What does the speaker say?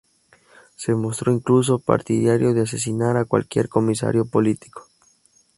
Se mostró incluso partidario de asesinar a cualquier comisario político.